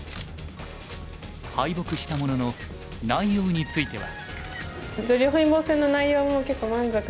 敗北したものの内容については。